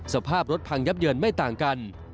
สภาพรถพังยับเยินไม่ต่างกัน